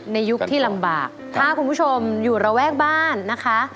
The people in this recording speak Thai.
ยุคที่ลำบากถ้าคุณผู้ชมอยู่ระแวกบ้านนะคะ